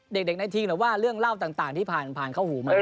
เด็กในทีมหรือว่าเรื่องเล่าต่างที่ผ่านเข้าหูมา